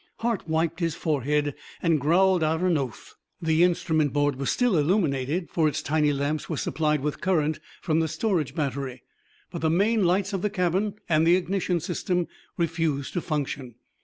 Hart wiped his forehead and growled out an oath. The instrument board was still illuminated, for its tiny lamps were supplied with current from the storage battery. But the main lights of the cabin and the ignition system refused to function.